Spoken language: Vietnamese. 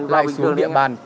lại xuống địa bàn